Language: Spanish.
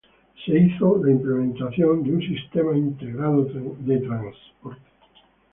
Se hizo la implementación de un Sistema Integrado de Transporte.